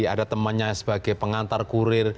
ada temannya sebagai pengantar kurir